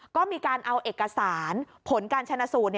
ก็มีการเอาเอกสารผลการชนะสูตร